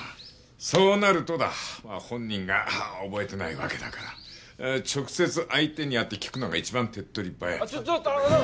そうなるとだ本人が覚えてないわけだから直接相手に会って聞くのが一番手っ取り早い。